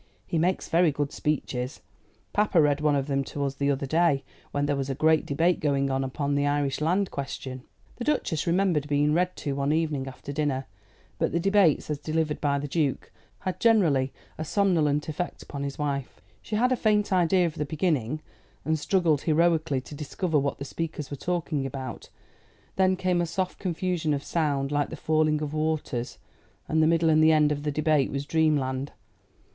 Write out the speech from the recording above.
He makes very good speeches. Papa read one of them to us the other day when there was a great debate going on upon the Irish land question." The Duchess remembered being read to one evening after dinner, but the debates, as delivered by the Duke, had generally a somnolent effect upon his wife. She had a faint idea of the beginning, and struggled heroically to discover what the speakers were talking about; then came a soft confusion of sound, like the falling of waters; and the middle and end of the debate was dreamland.